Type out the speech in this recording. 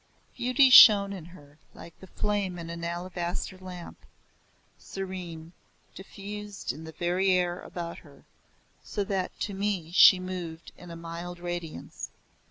Beauty shone in her like the flame in an alabaster lamp, serene, diffused in the very air about her, so that to me she moved in a mild radiance.